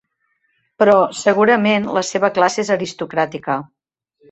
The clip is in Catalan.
Però, segurament, la seva classe és aristocràtica.